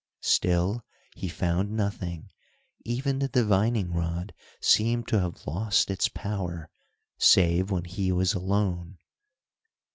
Still he found nothing, even the divining rod seemed to have lost its power, save when he was alone.